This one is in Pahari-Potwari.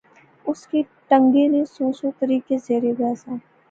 اس کی ٹہنگے نے سو سو طریقے زیر بحث آئے